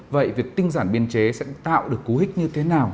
vậy việc tinh giản biên chế sẽ tạo được cú hích như thế nào